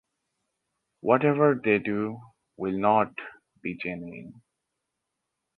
Whatever they do will not be genuine.